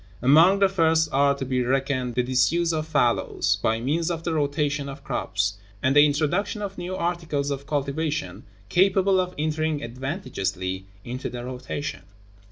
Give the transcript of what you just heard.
(1.) Among the first are to be reckoned the disuse of fallows, by means of the rotation of crops; and the introduction of new articles of cultivation capable of entering advantageously into the rotation.